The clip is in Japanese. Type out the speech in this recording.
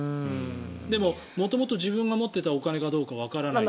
でも、元々自分が持っていたお金かどうかわからない。